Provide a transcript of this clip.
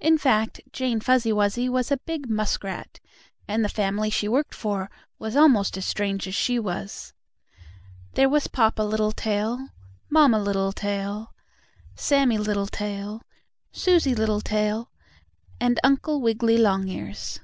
In fact, Jane Fuzzy Wuzzy was a big muskrat, and the family she worked for was almost as strange as she was. There was Papa Littletail, Mamma Littletail, Sammie Littletail, Susie Littletail and Uncle Wiggily Longears.